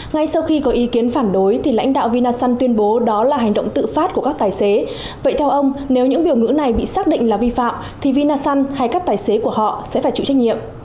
ngay sau khi có ý kiến phản đối thì lãnh đạo vinasun tuyên bố đó là hành động tự phát của các tài xế vậy theo ông nếu những biểu ngữ này bị xác định là vi phạm thì vinasun hay các tài xế của họ sẽ phải chịu trách nhiệm